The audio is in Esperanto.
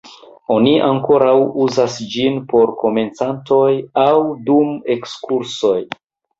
Oni ankoraŭ uzas ĝin por komencantoj aŭ dum ekskursoj.